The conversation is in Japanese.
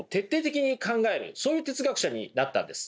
そういう哲学者になったんです。